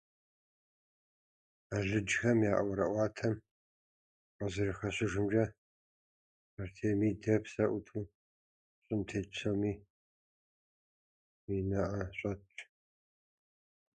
Алыджхэм я ӀуэрыӀуатэм къызэрыхэщыжымкӀэ, Артемидэ псэ Ӏуту щӀым тет псори и нэӀэ щӀэтт.